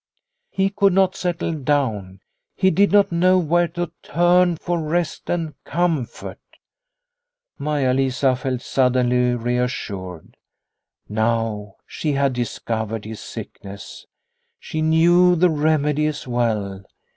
He could not settle down, he did not know where to turn for rest and comfort. Maia Lisa felt suddenly reassured. Now she had discovered his sickness, she knew the remedy as well.